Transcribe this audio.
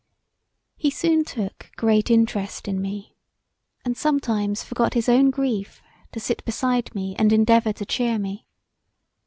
He soon took great interest in me, and sometimes forgot his own grief to sit beside me and endeavour to cheer me.